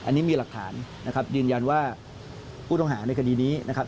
อันนี้มีหลักฐานนะครับยืนยันว่าผู้ต้องหาในคดีนี้นะครับ